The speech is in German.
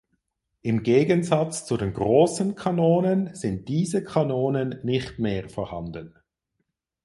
Im Gegensatz zu den großen Kanonen sind diese Kanonen nicht mehr vorhanden.